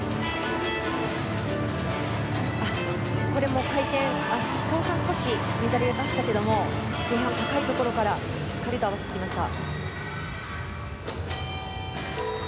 これも回転後半少し乱れましたが前半、高いところからしっかりと合わせていきました。